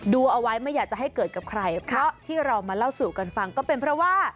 ดูเอาไว้ไม่อยากจะให้เกิดกับใครเพราะที่เรามาเล่าสู่กันฟังก็เป็นเพราะว่า